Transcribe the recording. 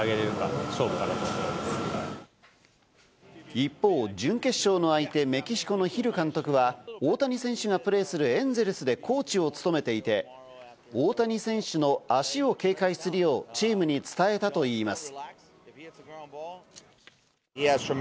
一方、準決勝の相手メキシコのヒル監督は大谷選手がプレーするエンゼルスでコーチを務めていて、大谷選手の足を警戒するようチームに伝えたといいます。